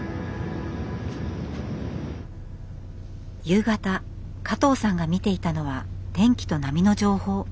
夕方加藤さんが見ていたのは天気と波の情報。